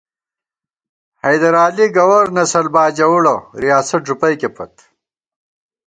حیدر علی گوَرنسل باجَوُڑہ ، ریاست ݫُپَئیکےپت